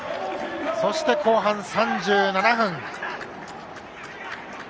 そして、後半３７分。